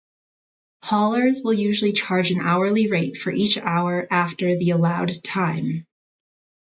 Haulers will usually charge an hourly rate for each hour after the allowed time.